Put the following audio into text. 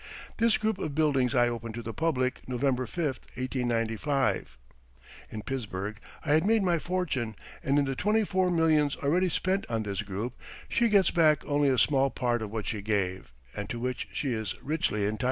This group of buildings I opened to the public November 5, 1895. In Pittsburgh I had made my fortune and in the twenty four millions already spent on this group, she gets back only a small part of what she gave, and to which she is richly entitled.